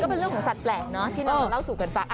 เป็นเรื่องของสัตวแปลกเนอะที่นำมาเล่าสู่กันฟัง